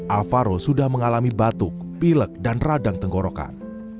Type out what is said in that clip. alvaro sudah mengalami batuk pilek dan radang tenggorokan